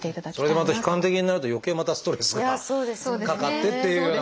それでまた悲観的になるとよけいまたストレスがかかってっていうようなことになるので。